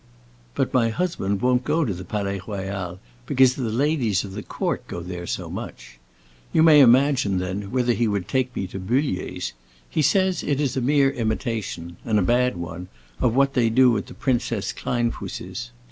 But my husband won't go to the Palais Royal because the ladies of the court go there so much. You may imagine, then, whether he would take me to Bullier's; he says it is a mere imitation—and a bad one—of what they do at the Princess Kleinfuss's.